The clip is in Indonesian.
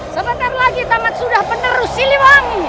sebentar lagi tamat sudah penerus siliwangi